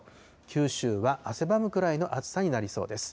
九州は汗ばむくらいの暑さになりそうです。